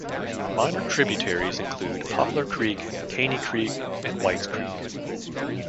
Minor tributaries include Poplar Creek, Caney Creek, and White's Creek.